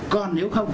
còn nếu không